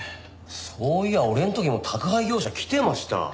そういや俺の時も宅配業者来てました。